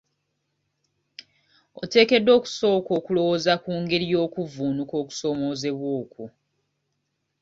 Oteekeddwa okusooka okulowooza ku ngeri y'okuvvuunuka okusoomoozebwa okwo.